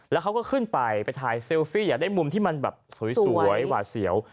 แล้วเขาก็ขึ้นไปไปถ่ายเซลฟี่อยากได้มุมที่มันแบบสวยหวาดเสียว